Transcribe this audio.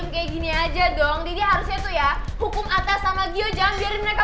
pokoknya daddy harus hukum mereka